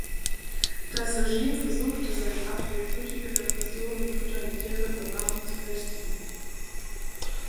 Das Regime versuchte, seine Macht durch blutige Repression und totalitäre Überwachung zu festigen.